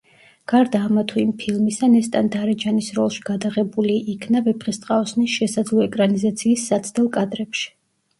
გარდა ამა თუ იმ ფილმისა, ნესტან-დარეჯანის როლში გადაღებული იქნა „ვეფხისტყაოსნის“ შესაძლო ეკრანიზაციის საცდელ კადრებში.